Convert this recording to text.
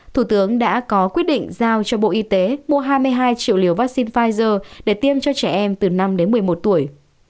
thủ tướng đã có quyết định giao cho bộ y tế mua hai mươi hai triệu liều vaccine pfizer để tiêm cho trẻ em từ năm đến một mươi một tuổi